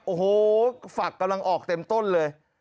โอ้โหฝักกำลังออกเต็มต้นเลย